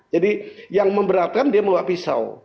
jadi yang memberatkan dia membawa pisau